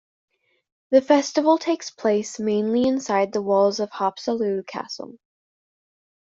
The festival takes place mainly inside the walls of Haapsalu Castle.